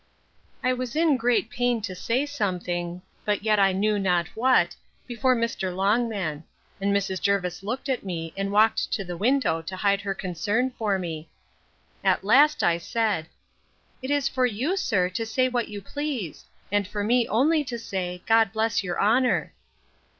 I was in great pain to say something, but yet I knew not what, before Mr. Longman; and Mrs. Jervis looked at me, and walked to the window to hide her concern for me. At last, I said, It is for you, sir, to say what you please; and for me only to say, God bless your honour!